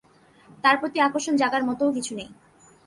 তার প্রতি আকর্ষণ জাগার মতও কিছু নেই।